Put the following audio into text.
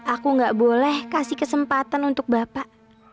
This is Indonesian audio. aku gak boleh kasih kesempatan untuk bapak